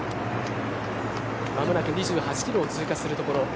間もなく２８キロを通過するところ。